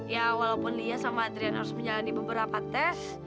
ya walaupun dia sama adrian harus menjalani beberapa tes